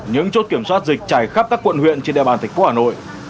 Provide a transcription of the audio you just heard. những chốt kiểm soát dịch chảy khắp các quận huyện trên đeo bàn thạch quốc hà nội